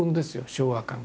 昭和感が。